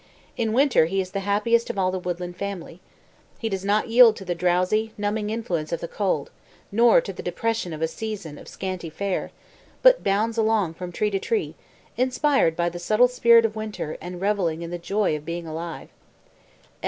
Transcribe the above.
In winter he is the happiest of all the woodland family. He does not yield to the drowsy, numbing influence of the cold, nor to the depression of a season of scanty fare, but bounds along from tree to tree, inspired by the subtle spirit of winter and revelling in the joy of being alive.